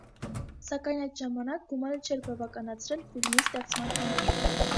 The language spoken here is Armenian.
Սակայն այդ ժամանակ գումարը չէր բավականացրել ֆիլմի ստեղծման համար։